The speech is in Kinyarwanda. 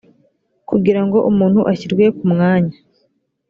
kugira ngo umuntu ashyirwe ku mwanya